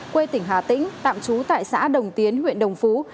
quê tỉnh hà tĩnh tạm trú tại xã đồng tiến huyện đồng phú